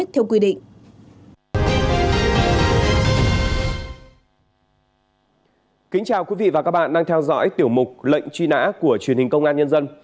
kính chào quý vị và các bạn đang theo dõi tiểu mục lệnh truy nã của truyền hình công an nhân dân